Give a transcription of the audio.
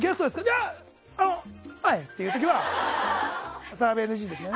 いや、あいっていう時は澤部ＮＧだよね。